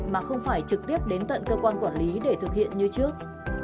mà không phải trực tiếp đến tận cơ quan quản lý để thực hiện như trước